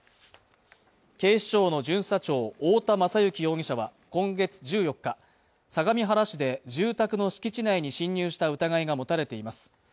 警視庁の巡査長太田優之容疑者は今月１４日相模原市で住宅の敷地内に侵入した疑いが持たれています